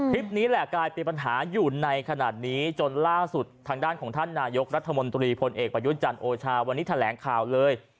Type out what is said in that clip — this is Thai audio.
คลิปนี้แหละกลายเป็นปัญหาอยู่ในขณะนี้จนล่าสุดทางด้านของท่านนายกรัฐมนตรีพลเอกประยุทธ์จันทร์โอชาวันนี้แถลงข่าวเลย